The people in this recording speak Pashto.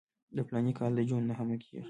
د فلاني کال د جون نهمه کېږي.